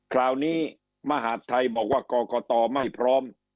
คราวนี้มหาดไทยบอกว่ากรกตไม่พร้อม